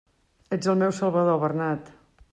Ets el meu salvador, Bernat!